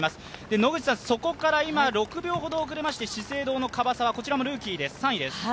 野口さん、そこから今、６秒ほど遅れまして資生堂の樺沢、こちらもルーキーで３位です。